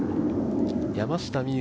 山下美夢